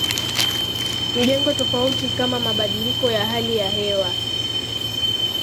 Majengo Tofauti Kama Mabadiliko ya Hali ya Hewa